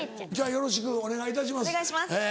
よろしくお願いいたしますえ